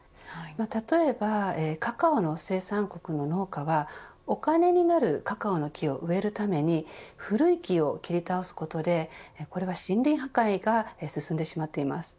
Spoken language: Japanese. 例えば、カカオの生産国の農家はお金になるカカオの木を植えるために古い木を切り倒すことでこれは森林破壊が進んでしまっています。